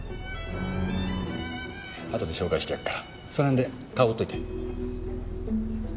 後で紹介してやっからその辺で顔売っといて。